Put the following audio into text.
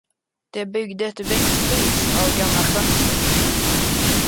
De byggde ett växthus av gamla fönster.